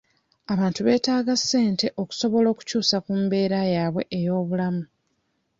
Abantu beetaaga ssente okusobola okukyuusa ku mbeera yaabwe ey'obulamu.